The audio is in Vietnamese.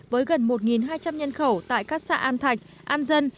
với gần một hai trăm linh nhân khẩu tại các xã an thạch an dân